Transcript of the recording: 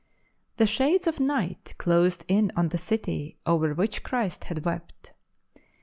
The shades of night closed in on the city over w'hich Christ had wept.